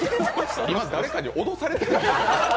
今、誰かに脅されてるの？